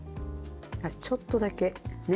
ちょっとだけね。